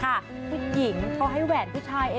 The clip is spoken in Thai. เขาให้แหวนผู้ชายเองเลยอะเธอ